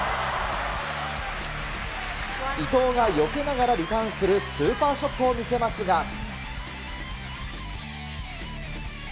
伊藤がよけながらリターンするスーパーショットを見せますが。